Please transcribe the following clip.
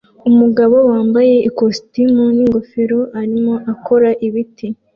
Umugabo wambaye ikositimu n'ingofero arimo akora ibiti